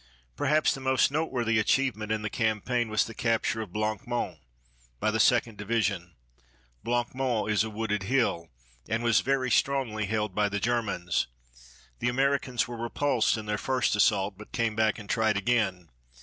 Perhaps the most noteworthy achievement in the campaign was the capture of Blanc Mont by the Second Division. Blanc Mont is a wooded hill, and was very strongly held by the Germans. The Americans were repulsed in their first assault, but came back and tried again.